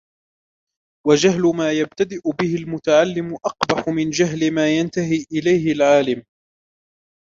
وَجَهْلُ مَا يَبْتَدِئُ بِهِ الْمُتَعَلِّمُ أَقْبَحُ مِنْ جَهْلِ مَا يَنْتَهِي إلَيْهِ الْعَالِمُ